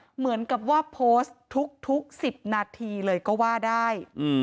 เหมือนกับว่าโพสต์ทุก๑๐นาทีเลยก็ว่าได้